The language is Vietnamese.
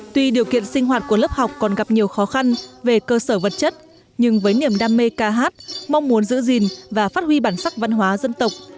tuy điều kiện sinh hoạt của lớp học còn gặp nhiều khó khăn về cơ sở vật chất nhưng với niềm đam mê ca hát mong muốn giữ gìn và phát huy bản sắc văn hóa dân tộc